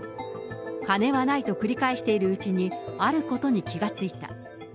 金はないと繰り返しているうちに、あることに気が付いた。